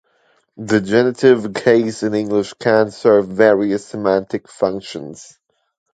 The genitive case in English can serve various semantic functions.